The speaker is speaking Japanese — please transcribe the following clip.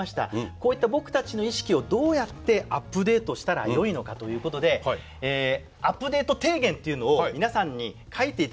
こういった僕たちの意識をどうやってアップデートしたらよいのかということでアップデート提言っていうのを皆さんに書いていただきたいと思います。